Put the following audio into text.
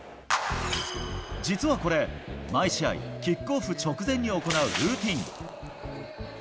実はこれ、毎試合、キックオフ直前に行うルーティン。